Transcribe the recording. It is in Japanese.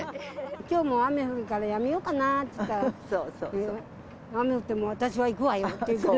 きょうも雨降るからやめようかなって言ったら、雨降っても私は行くわよって言うから。